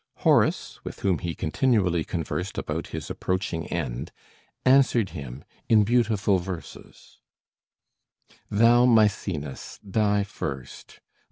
Horace, with whom he continually conversed about his approaching end, answered him in beautiful verses: "Thou, Mæcenas, die first!